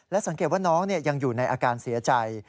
สังเกตว่าน้องยังอยู่ในอาการเสียใจ